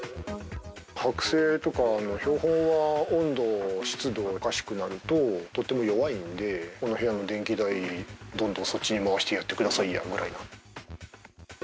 剥製とか標本は、温度、湿度がおかしくなるととても弱いんで、この部屋の電気代、どんどんそっちに回してやってくださいやみたいな。